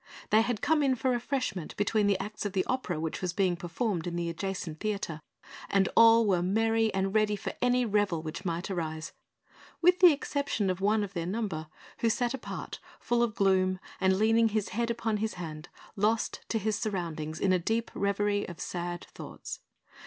They had come in for refreshment between the acts of the Opera which was being performed in the adjacent theatre; and all were merry and ready for any revel which might arise, with the exception of one of their number who sat apart, full of gloom and leaning his head upon his hand, lost to his surroundings in a deep reverie of sad thoughts.